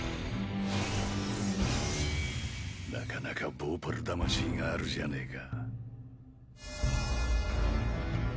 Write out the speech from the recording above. なかなかヴォーパル魂があるじゃねぇか